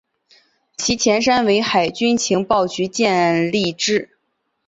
其前身为海军情报局建立之。